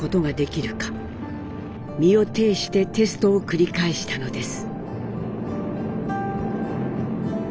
身をていしてテストを繰り返したのです。